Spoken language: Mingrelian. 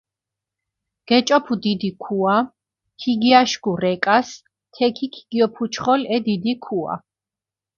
გეჭოფუ დიდი ქუა, ქიგიაშქუ რეკას, თექი ქიგიოფუჩხოლჷ ე დიდი ქუა.